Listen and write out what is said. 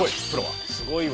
すごいわ。